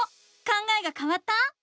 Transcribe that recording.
考えがかわった？